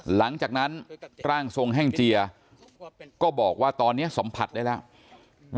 หลังจากนั้นร่างทรงแห้งเจียก็บอกว่าตอนนี้สัมผัสได้แล้ว